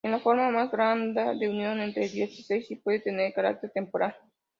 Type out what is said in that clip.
Es la forma más blanda de unión entre diócesis y puede tener carácter temporal.